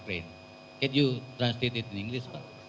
bisa anda menerjemahkannya dalam bahasa inggris pak